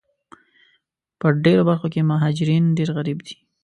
په ډېرو برخو کې مهاجرین ډېر غریب دي